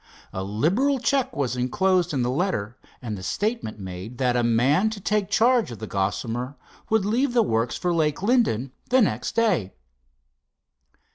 A liberal check was enclosed in the letter, and the statement made that a man to take charge of the Gossamer would leave the works for Lake Linden the next day.